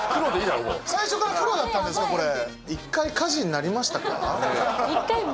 最初から黒だったんですか、これ。